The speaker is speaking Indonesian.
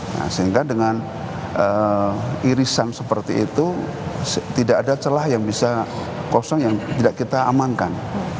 nah sehingga dengan irisan seperti itu tidak ada celah yang bisa kosong yang tidak kita amankan